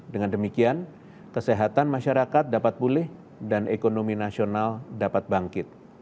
dengan demikian kesehatan masyarakat dapat pulih dan ekonomi nasional dapat bangkit